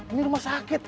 ini rumah sakit